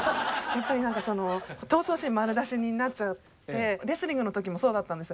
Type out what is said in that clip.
やっぱり闘争心丸出しになっちゃってレスリングの時もそうだったんです。